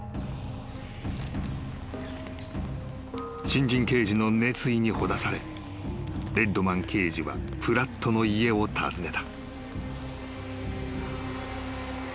［新人刑事の熱意にほだされレッドマン刑事はプラットの家を訪ねた］